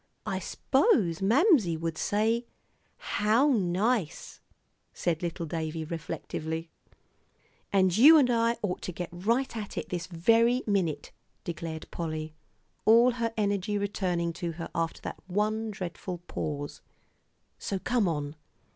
"I s'pose Mamsie would say, 'How nice,'" said little David, reflectively. "And you and I ought to get right at it this very minute," declared Polly, all her energy returning to her after that one dreadful pause, "so come on."